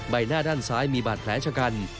ใบหน้าด้านซ้ายมีบาดแผลชะกัน